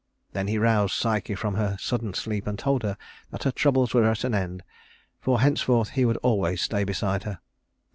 Then he roused Psyche from her sudden sleep and told her that her troubles were at an end, for henceforth he would always stay beside her.